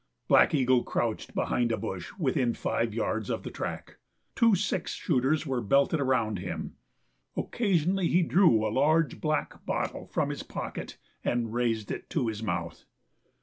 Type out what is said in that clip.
Black Eagle crouched behind a bush within five yards of the track. Two six shooters were belted around him. Occasionally he drew a large black bottle from his pocket and raised it to his mouth.